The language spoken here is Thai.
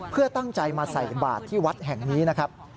เพื่อตั้งใจมาใส่บาทที่วัดแห่งนี้นะครับ